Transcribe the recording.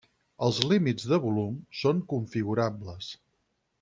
Els límits de volum són configurables.